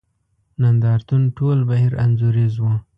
نند ارتون ټول بهیر انځوریز وو.